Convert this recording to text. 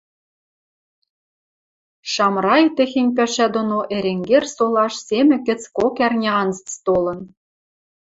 Шамрай техень пӓшӓ доно Эренгер солаш Семӹк гӹц кок ӓрня анзыц толын.